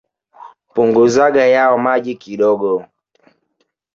Punguzaga yao maji kidogo.